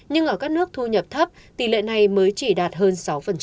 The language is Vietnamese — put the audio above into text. nhưng ở các nước thu nhập thấp tỷ lệ này mới chỉ đạt hơn sáu